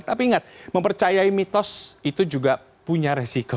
tapi ingat mempercayai mitos itu juga punya resiko